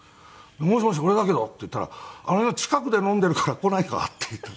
「もしもし俺だけど」って言ったら「あのね近くで飲んでるから来ないか？」って言ってて。